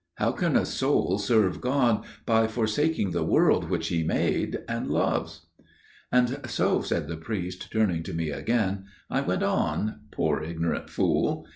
How can a soul serve God by forsaking the world which He made and loves?"... "And so," said the priest, turning to me again, "I went on––poor ignorant fool!